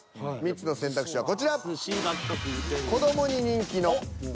３つの選択肢はこちら。